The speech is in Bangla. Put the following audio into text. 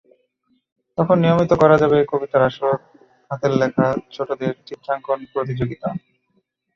তখন নিয়মিত করা যাবে কবিতার আসর, হাতের লেখা, ছোটদের চিত্রাঙ্কন প্রতিযোগিতা।